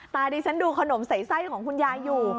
ดิฉันดูขนมใส่ไส้ของคุณยายอยู่